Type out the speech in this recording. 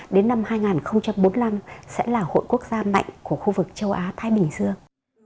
đến năm hai nghìn bốn mươi năm sẽ là hội quốc gia mạnh của khu vực châu á thái bình dương